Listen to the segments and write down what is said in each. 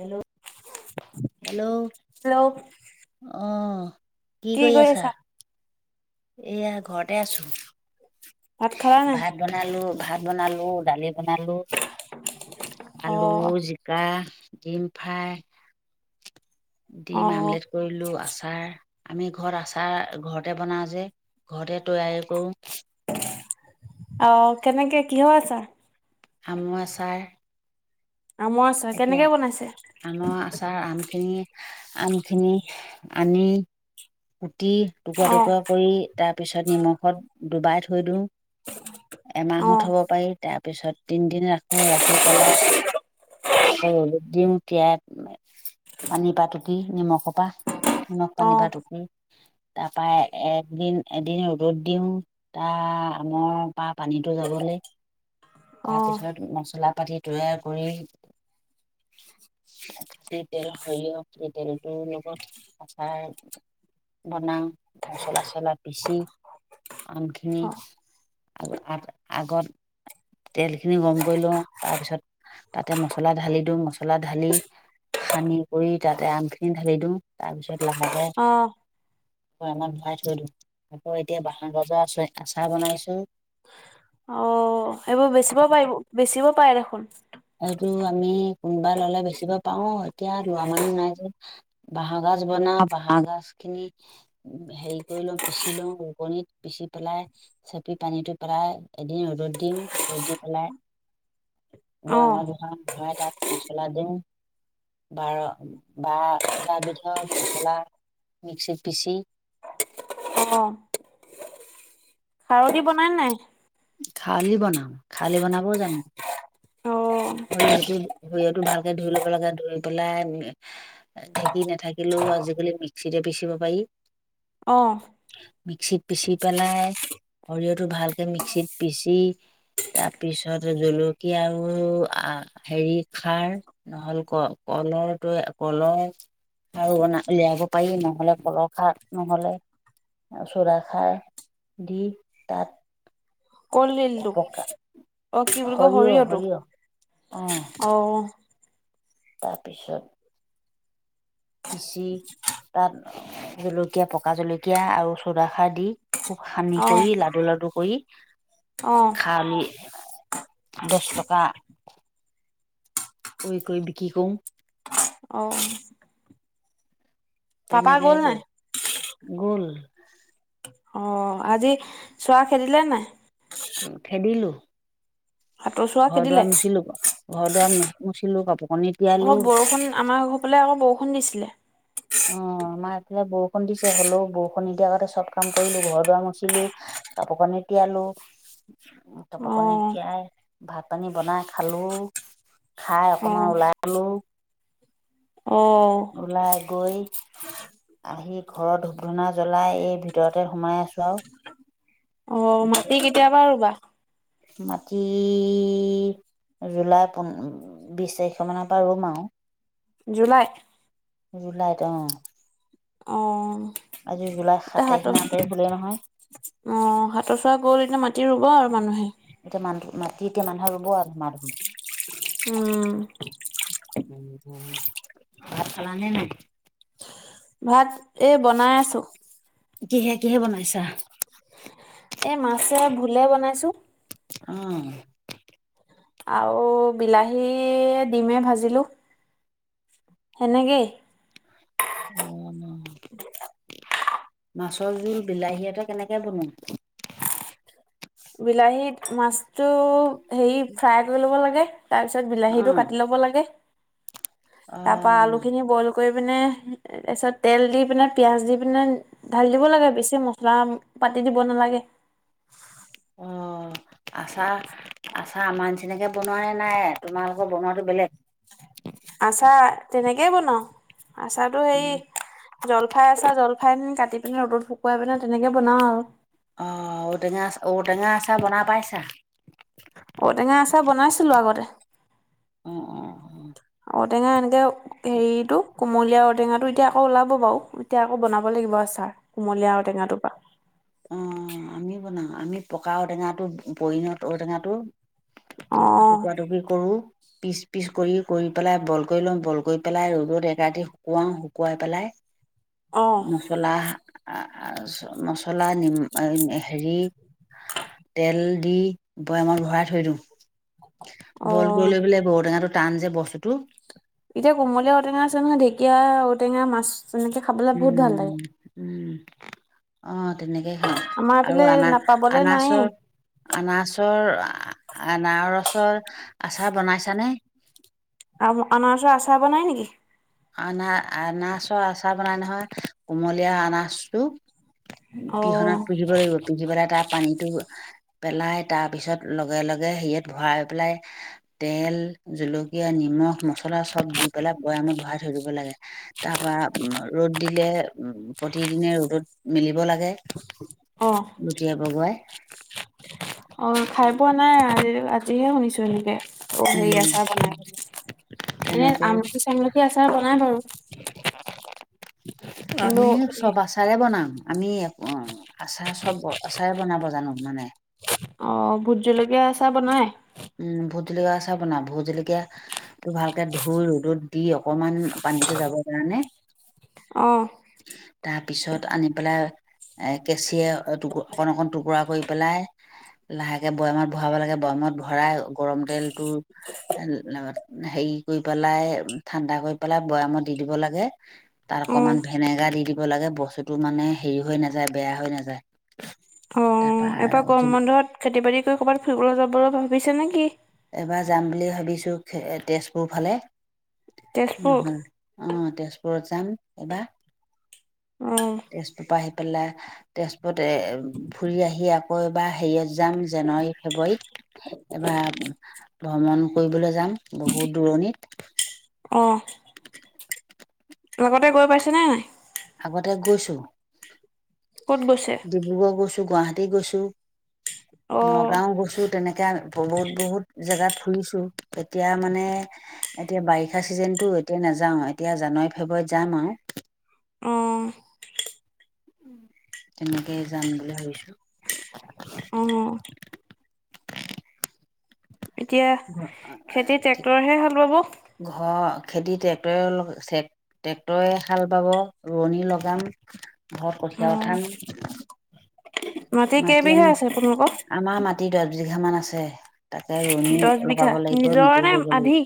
Hello, hello, hello, অহ। কি কৰি আছা? এয়া ঘৰতে আছো, ভাত খালা নাই ভাত বনালো ভাত বনালো দালি বনালো অ আলু জি- কা ডিমফ্ৰাই। অ ডিম আমলেট কৰিলোঁ আচাৰ আমি আচাৰ ঘৰতে বনাওঁ যে। ঘৰতে তৈয়াৰী কৰো। অ কেনেকে, কিহৰ আচাৰ? আমৰ আচাৰ। আমৰ আচৰ, এতিয়া কেনেকে বনাইছে? আমৰ আচাৰ, আমখিনি আমখিনি আনি কুটি টুকুৰা অ টুকুৰা কৰি তাৰপিছত নিমখত ডুবাই থৈ দিওঁ। অ এমাহো থব পাৰি তাৰপিছত তিনিদিন ৰাখোঁ ৰাখি পেলাই এ ৰদত দিওঁ তেতিয়া পানী পা টুপি নিমখ পা। নিমখ অ পানী পা টুকো তাপা এদিন এদিন ৰ'দত দিওঁ। তা আমৰ পা পানীতো যাবলেই অ তাৰপিছত মচলা পাতি তৈয়াৰ কৰি খাতি তেল সৰিয়হ সেই তেলটোৰ লগত আচাৰ বনাওঁ মচলা-চচলা পিচি আমখিনি আগত আগ আগত তেলখিনি গৰম কৰি লওঁ তাৰ পিছত তাতে মচলা ঢালি দিওঁ, মচলা ঢালি সানি কৰি তাতে আমখিনি ঢালি দিওঁ তাৰপিছত লাহেকে অ আক অকমান ভৰাই থৈ দিওঁ। আকৌ এতিয়া বাঁহৰ গাজৰ আ আচাৰ বনাইছোঁ। [unintelligible] সেইবোৰ বেচিব পাৰিব, বেচিব পাৰে দেখোন? এইটো আমি কোনোবা ল'লে বেচিব পাৰোঁ এতিয়া লোৱা মানুহ নাই যে। বাঁহৰ গাজ বনাওঁ। বাঁহৰ গাজখিনি হেৰি কৰি লওঁ পিচি লওঁ ৰোকনিত পিচি পেলাই চেপি পানীটো পেলাই এদিন ৰ'দত দিওঁ ৰ'দত দি পেলাই অ বৈয়ামত ভৰাই-ভৰাই তাত মছলা দিওঁ। বাৰ, বাৰ এটা বিধৰ মচলা মিক্সিত পিচি খাৰলি বনাই নাই? খাৰলি বনাওঁ, খাৰলি বনাবও জানো। অ সৰিয়হটো সৰিয় টো ভালকে ধুই ল'ব লাগে, ধুই পেলাই ঢেঁকী নাথাকিলেও আজিকালি মিক্সিতে পিচিব পাৰি। অঁ! মিক্সিত পিচি পেলাই সৰিয়হটো ভালকে মিক্সিত পিচি তাৰপিছত জলকীয়া আৰু আ হেৰি খাৰ। নহ'ল ক কলৰটো কলৰ [unintelligible] আৰু বনা উলিয়াব পাৰি নহ'লে কলৰ খাৰ নহ'লে তাৰপিছত আচাৰ দি তাত কলডিলটো পকা অ কি বুলি কয় সৰিয়হ সৰিয়হটো সৰিয়হ অ। তাৰপিছত পিচি তাত জলকীয়া পকা জলকীয়া আৰু চৌদা খাৰ দি খুব সানি অ কৰি লাডু-লাডু কৰি, অ খাউলি দহ টকা কৰি-কৰি বিক্ৰী কৰোঁ। অঁ! তেনেকে গ'ল নাই কৰোঁ গ'ল [unintelligible] অঁ! আজি চোৱা খেদিলে নাই? অ খেদিলোঁ, সাতৰ চোৱা খেদিলে ঘৰ-দুৱাৰ মুচিলো ক। ঘৰ-দুৱাৰ মুচিলো, কাপোৰ কানি অ! তিয়ালো বৰষুণ আমাৰ ঘৰফালে আকৌ বৰষুণ দিছিলে। অঁ! আমাৰ এইফালে বৰষুণ দিছে, হ'লেও বৰষুণ নিদিয়া আগতে চব কাম কৰিলোঁ ঘৰ-দুৱাৰ মচিলোঁ। কাপোৰ কানি তিয়ালো। অ কাপোৰ কানি তিয়াই, ভাত-পানী বনাই খালোঁ। খাই অ অকমান ওলালো। অঁ! ওলাই গৈ আহি ঘৰত ধূপ-ধূনা জ্বলাই এই ভিতৰতে সোমাই আছোঁ আৰু। অ মাটি কেতিয়া পা ৰুবা? মাটি জুলাই পোন বিছ তাৰিখ মানৰ পৰা ৰোম আৰু। জুলাই? জুলাইত অ'। অ'। আজি জুলাইৰ এতিয়া সাত তাৰিখ হাতৰ নে আঠ তাৰিখ হ'লে নহয়। অ' সাতৰ চোৱা গ'ল এতিয়া মাটি ৰুব আৰু মানুহে। এতিয়া মানুহ মাটি এতিয়া মানুহৰ ৰুব আৰু মানুহ। উম। ভাত খালা নে নাই? ভাত এই বনাই আছোঁ। কিহে কিহে বনাইছা? এ, মাছে ভুলে বনাইছোঁ। অ'। আৰু বিলাহী ডিমে ভাজিলোঁ, সেনেকেই। উম। [inaudible] মাছৰ জোল, বিলাহী এটা কেনেকে বনোৱা? বিলাহীত মাছটো হেৰি ফ্ৰাই কৰি ল'ব লাগে। তাৰপিছত বিলাহীটো অ', কাটি ল'ব লাগে, তাৰ পৰা অ', আলুখিনি বইল কৰি পিনে তাৰপিছত তেল দি পিনে, পিয়াঁ‌জ দি পিনে ঢালি দিব লাগে, বেছি মছলা পাতি দিব নালাগে। অ' আছা আছা আমাৰ তেনেকে বনোৱাে নাই, তোমালোকৰ বনোৱাটো বেলেগ। আচাৰ তেনেকেই বনাও। আচাৰটো হেৰি জলফাই আচাৰ জলফাইটো কাটি পিনে ৰ'দত শুকুৱাই পিনে তেনেকে বনাও আৰু। অ', ঔটেঙা আচা ঔটেঙা আচাৰ বনাই পাইছা? ঔটেঙা আচাৰ বনাইছিলোঁ আগতে। অ', অ', অ', ঔটেঙা এনেকে হেৰিটো কোমলীয়া ঔটেঙাটো এতিয়া আকৌ ওলাব বাৰু, এতিয়া আকৌ বনাব লাগিব আচাৰ কোমলীয়া ঔটেঙাটো পৰা। অ' আমিও বনাও, আমি পকা ঔটেঙাটো পৰিণত ঔটেঙাটো অ টুকাৰা টুকুৰি কৰোঁ পিচ পিচ কৰি, কৰি পেলাই বইল কৰি লওঁ, বইল কৰি পেলাই ৰ'দত এক ৰাতি শুকুৱাওঁ শুকুৱাই পেলাই অ'। মচলা [unintelligible] চলা, নিম হেৰি তেল দি বৈয়ামত ভৰাই থৈ দিওঁ। অ বইল কৰি লৈ পেলাই, ঔটেঙাটো টান যে বস্তুটো। এতিয়া কোমলীয়া ঔটেঙা আছে, নহয় ঢেকীয় ঔটেঙা, মাছ তেনেকে খাব উম, উম, অ' তেনেকে খাওঁ আমাৰ এইফালে আৰু আনা, নাপাবলে নাইয়ে আনাচৰ আনাৰচৰ আনাৰসৰ আচাৰ বনাইছানে? আৰু অনাৰচৰ আচাৰ বনাই নেকি? আনাৰ আনাৰচৰ আচাৰ বনাই নহয় কুমলীয়া আনাৰচটো। অ', পিহনাত পিহিব লাগিব। পিহি পেলাই তাৰ পানীটো পেলাই তাৰপিছত লগে লগে হেৰিয়ত ভৰাই পেলাই তেল, জলকীয়া, নিমখ, মছলা চব দি পেলাই বৈয়ামত ভৰাই থৈ দিব লাগে। তাৰপা ৰ'দ দিলে উ, প্ৰতিদিনে ৰ'দত মেলিব লাগে। অঁ। লুতিয়াই বগৰাই। অঁ খায় পোৱা নাই আজি আজিহে শুনিছো এনেকে। অ হেৰি উম আচাৰ বনাই বুলি, এনে তেনেকে আমলখি চামলখি আচাৰ বনাই বাৰু। কিন্তু আমি সব আচ আচাৰে বনাম, আমি আচাৰ চব আচাৰে বনাব জানো মানে। অঁ ভূত জলকীয়া আচাৰ বনায়? উম ভূত জলকীয়া আচাৰ বনা ভূত জলকীয়া টো ভালকে ধুই ৰ'দত দি অকমান পানীটো যাবৰ কাৰণে অঁহ। তাৰপিছত আনি পেলাই এ কেঁচিয়ে টু অকণ অকণ টুকুৰা কৰি পেলাই লাহেকে বৈয়ামত ভৰাব লাগে বৈয়ামত ভৰাই গৰম তেল লগত হেৰি কৰি পেলাই ঠাণ্ডা কৰি পেলাই বৈয়ামত দি দিব লাগে। তাৰ অ', অকমান ভিনেগাৰ দি দিব লাগে, বস্তুটো মানে হেৰি হৈ নেযায় বেয়া হৈ নেযায়। অঁ এইবাৰ গৰম বন্ধত খেতি বাতি কৰি ক'ৰবাত ফুৰিবলে যাবলে ভাবিছে নেকি? এবাৰ যাম বুলি ভাবিছো তেজপুৰ ফালে। তেজপুৰ অঁ তেজপুৰত যাম এবাৰ। এ। তেজপুৰ পা আহি পেলাই তেজপৰত এ ফুৰি আহি আকৌ এবাৰ হেৰিয়ত যাম জানুৱাৰী ফেব্ৰুৱাৰীত এবাৰ ভ্ৰমণ কৰিবলে যাম বহুত দূৰণিত। অঁহ। আগতে গৈ পাইছেনে নাই? আগতে গৈছো। ক'ত গৈছে? ডিব্ৰুগড় গৈছো, গুৱাহাটী গৈছো, অ', নগাঁও গৈছো। তেনেকে বহুত বহুত জেগাত ফুৰিছো, এতিয়া মানে এতিয়া বাৰি ষা চিজনটো এতিয়া নেযাওঁ, এতিয়া জানুৱাৰী ফেব্ৰুৱাৰীত যাম আও। অঁ। তেনেকে যাম বুলি ভাবিছো। অঁ। এতিয়া খেতি ট্ৰেক্টৰেহে হাল বাব। ঘৰ খেতি ট্ৰেক্টৰে অলপ চেক ট্ৰেক্টৰে হাল বাব, ৰোৱনী লগাম, ঘৰত কঠিয়া উম, উঠাম। [unintelligible] মাটি কেইবিঘা আছে আপোনালোকৰ? আমাৰ দছ মাটি দহ বিঘা মান আছে তাকে ৰোৱনী বিঘ লগাব বিঘা লাগিব নিজৰ নিজেও নে কৰিব লাগিব আধি?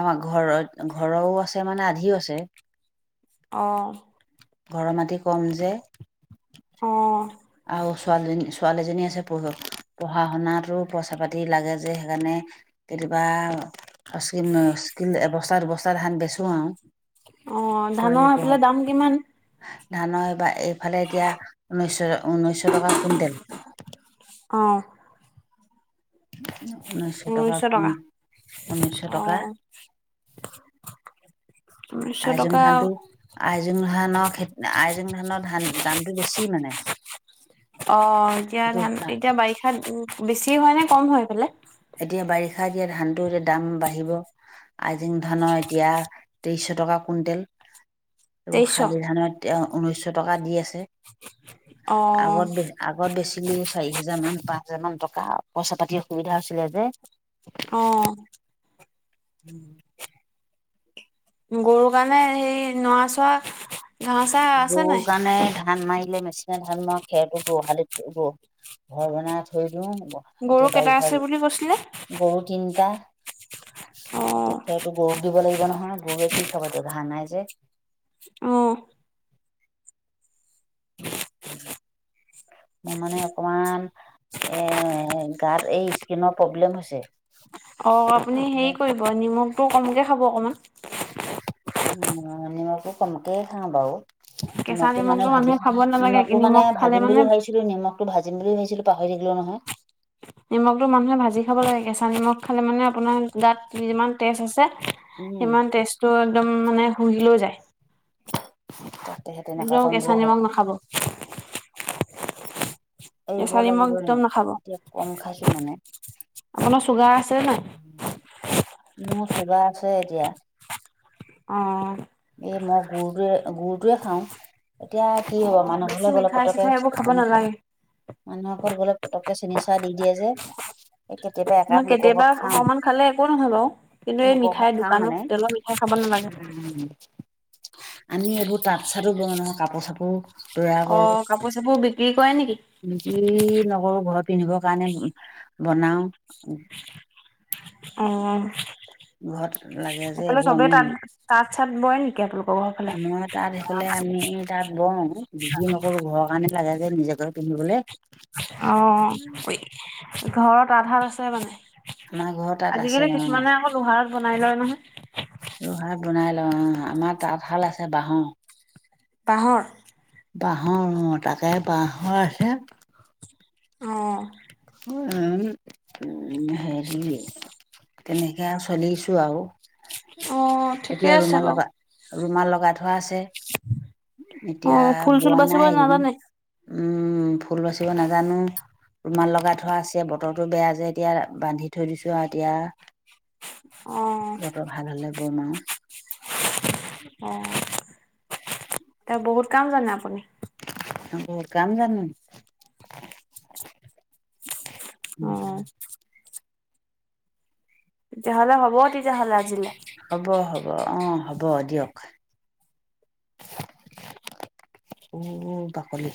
আমাৰ ঘৰত ঘৰৰো আছে মানে আধিও আছে। অঁ। ঘৰৰ মাটি ক'ম যে। অঁ। আৰু ছোৱালীজনী ছোৱালীজনী আছে পঢ় পঢ়া শুনাতো পইচা পাতি লাগে যে সেইকাৰণে কেতিয়াবা অ্ [unintelligible] এৱস্তা দুৱস্তা ধান বেচো আও। অ ধানৰ সেফালে দাম কিমান? ধানৰ এইবা এইফালে এতিয়া ঊনৈছ ঊনৈছশ টকা কুণ্টেল অ' ঊনৈছশ টকা কোন ঊনৈছশ টকা [inaudible] আইজং টকা ধানটো আইজোং ধানৰ খেত আইজোং ধানৰ ধান দামটো বেছি মানে অ' এতিয়া সেইটো ধান এতিয়া বাৰিষাত বেছি হয় নে কম সেইফালে? এতিয়া বাৰিষা দিয়া ধানটো যে দাম বাহিব আইজিং ধানৰ এতিয়া তেইছশ টকা কুণ্টেল এইবোৰ তেইছশ? শালি ধানত এতিয়া ঊনৈছশ টকা দি আছে। অ', আগত বে আগত বেছিলো চাৰি হোজাৰ মান, পাঁচ হাজাৰ মান টকা পইচা পাতি অসুবিধা হৈছিলে যে। অ' [inaudible] গৰু কাৰণে হেৰি নোৱা-চোৱা, ঘাহ-চা আছে গৰুৰ নাই? কাৰণে ধান মাৰিলে মেচিনে ধান মৰাৰ খেৰতো গোহালিত ঘৰ বনাই থৈ দিউ গৰু এতিয়া কেইটা বাৰিষা আছে বুলি কৈছিলে? গৰু তিনটা অ', তেতিয়াতো গৰু দিব লাগিব নহয় গৰুৱে কি খাব তোৰ ঘাঁহ নাই যে অ' মোৰ মানে অকমান এ গাত এই স্কিনৰ প্ৰব্লেম হৈছে। অ' আপুনি হেৰি কৰিব নিমখটো কমকে খাব অকমান উম, নিমখতো কমকে খাও বাও কেঁচা নিমখটো মানে মানুহে ভাজিম খাব নালাগে, নিমখটো মানে নিমখ খালে ভাজিম মানে বুলি ভাবিছিলো নিমখ তো ভাজিম বুলি ভাবিছিলো পাহৰি থাকিলো নহয়। নিমখটো মানুহে ভাজি খাব লাগে কেঁচা নিমখ খালে মানে আপোনাৰ গাত যিমান তেজ আছে উম সিমান তেজটো একদম মানে শুহিলৈ যায় তাকেহে তেনেকুৱা একদম কৰিম কেঁচা বুলি ভাব নিমখ নাখাব। এৰিব কেঁচা নিমখ লাগিব সেনো একদম নাখাব, এতিয়া কম খাইছো মানে আপোনাৰ চূগাৰ আছেনে নাই? মো চুগাৰ আছে এতিয়া অ' এই মই গুৰটোৱে গুৰটোৱে খাওঁ এতিয়া কি হ'ব অ', মানুহ বেছি ঘৰলে গলে মিঠাই পতককে চিঠাই এইবোৰ খাব চোৱাচুন নালাগে। মানুহ ঘৰত গ'লে পটককে চেনি চাহ দি দিয়ে যে কেতিয়াবা নহ একাপ লোকৰ কেতিয়াবা ঘৰত খাওঁ অকমান খালে একো নহয় বাৰু কিন্তু এই লোকৰ ঘৰত মিঠাইৰ খাওঁ দোকানৰ মানে হোটেলৰ মিঠাই খাব নালাগে আমি এইবোৰ তাঁত চাতো বয়ো নহয় কাপোৰ চাপোৰ তৈয়াৰ অ' কাপোৰ চাপোৰ বিক্ৰী কৰে নেকি? বিকি নকৰো ঘৰত পিন্ধিব কাৰণে বনাও অহ ঘৰত লাগে যে এইবোৰ আমি বি তাত চাট বয় নেকি আপোলোক আমাৰ তাত সেইফালে আমি তাত বওঁ বিক্ৰী নকৰো ঘৰৰ কাৰণে লাগে যে নিজেকে পিন্ধিবলে। অ', অ'। ঘৰত আধা আছে মানে, আমাৰ ঘৰ তাত আছে আজিকালি অঁ কিছুমানে আকল ত' ভাঢ়াত বনাই লয় নহয়্। লোহাক বনাই লয় অ', অ'। আমাৰ তাঁতশাল আছে বাহৰ। কাঁহৰ। বাঁহৰ অ', তাকে বাঁহৰ আছে। অহ'। উ, উ, উ, হেৰি তেনেকে চলিছো আৰু। অ', ঠিকে এতিয়া আছে ৰুমাল বাৰু। লগা, ৰুমাল লগাই থো থোৱা আছে, এতিয়া অ', ফুল চুল বোৱা বাচিব নাই এইকেইদিন। নাজানে? উম, ফুল বাচিব নাজানো। ৰুমাল লগাই থোৱা আছে, বতৰটো বেয়া যে এতিয়া। বান্ধি থৈ দিছো আৰু এতিয়া। অ', বতৰ ভাল হ'লে বনাম। অহ' তে বহুত কাম জানে আপুনি। বহুত কাম জানো। উম, উম। অ', তেতিয়া হ'লে হ'ব, তেতিয়া হ'লে আজিলে। হ'ব, হ'ব অ', হ'ব দিয়ক। অ' বাকলি।